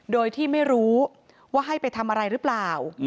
โดยที่ไม่รู้ว่าให้ไปทำอะไรหรือเปล่า